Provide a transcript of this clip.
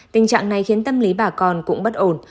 tình trạng này khiến tâm lý bà con cũng bất ổn